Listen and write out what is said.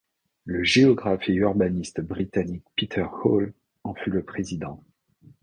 Le géographe et urbaniste britannique Peter Hall en fut le président.